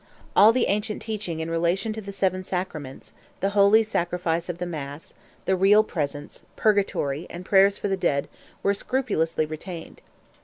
All the ancient teaching in relation to the Seven Sacraments, the Holy Sacrifice of the Mass, the Real Presence, Purgatory, and Prayers for the Dead, were scrupulously retained.